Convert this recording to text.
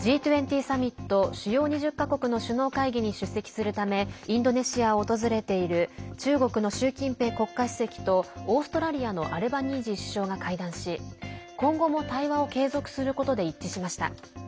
Ｇ２０サミット主要２０か国の首脳会談に出席するためインドネシアを訪れている中国の習近平国家主席とオーストラリアのアルバニージー首相が会談し今後も対話を継続することで一致しました。